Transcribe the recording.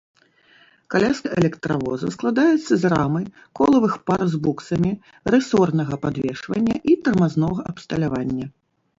Каляска электравоза складаецца з рамы, колавых пар з буксамі, рысорнага падвешвання і тармазнога абсталявання.